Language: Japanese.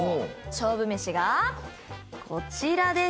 勝負めしがこちらです。